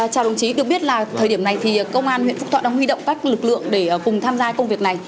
chào đồng chí được biết là thời điểm này thì công an huyện phúc thọ đang huy động các lực lượng để cùng tham gia công việc này